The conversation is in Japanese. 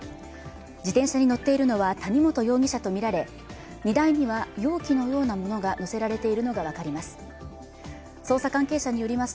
自転車に乗っているのは谷本容疑者とみられ、荷台には容器のようなものが載せられているのが分かります。